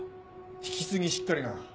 引き継ぎしっかりな。